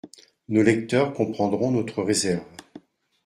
Nos lecteurs comprendront notre réserve.